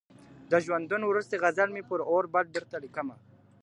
د ژوندون وروستی غزل مي پر اوربل درته لیکمه ,